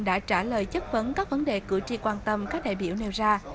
đã trả lời chất vấn các vấn đề cử tri quan tâm các đại biểu nêu ra